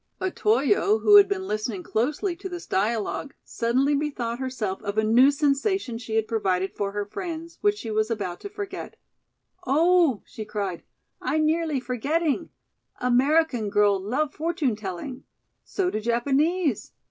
Otoyo, who had been listening closely to this dialogue, suddenly bethought herself of a new sensation she had provided for her friends, which she was about to forget. "Oh," she cried, "I nearlee forgetting. American girl love fortune telling? So do Japanese.